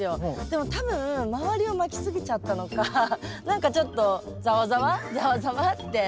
でも多分周りをまきすぎちゃったのか何かちょっとザワザワザワザワって。